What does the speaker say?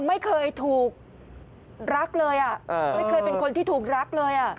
ไม่เคยถูกรักเลยไม่เคยเป็นคนที่ถูกรักเลย